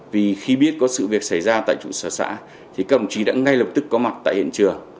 vì khi biết có sự việc xảy ra tại chủ sở xã thì công chí đã ngay lập tức có mặt tại hiện trường